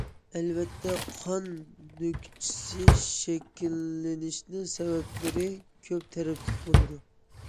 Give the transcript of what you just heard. ئەلۋەتتە قان نۆكچىسى شەكىللىنىشنىڭ سەۋەبلىرى كۆپ تەرەپلىك بولىدۇ.